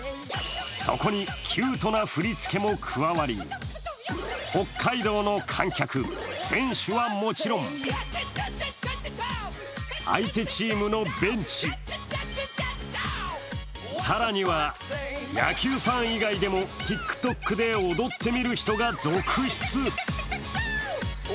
そこにキュートな振り付けも加わり、北海道の観客、選手はもちろん、相手チームのベンチ、更には野球ファン以外でもＴｉｋＴｏｋで踊ってみる人が続出。